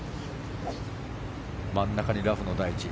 真ん中にラフの台地。